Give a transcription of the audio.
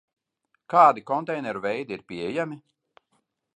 Kādi konteineru veidi ir pieejami?